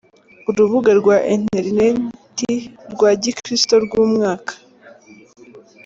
Urubuga rwa iterineti rwa gikristo rw’umwaka.